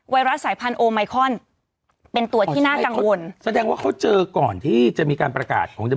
รัฐสายพันธโอไมคอนเป็นตัวที่น่ากังวลแสดงว่าเขาเจอก่อนที่จะมีการประกาศของจะ